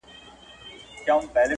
تر ټولو نوی اغېز ګڼل کېږي